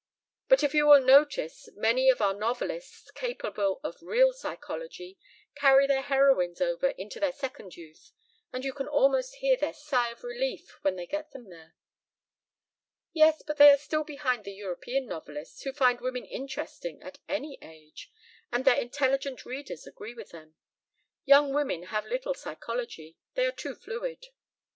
"But, if you will notice, many of our novelists, capable of real psychology, carry their heroines over into their second youth, and you can almost hear their sigh of relief when they get them there." "Yes, but they are still behind the European novelists, who find women interesting at any age, and their intelligent readers agree with them. Young women have little psychology. They are too fluid."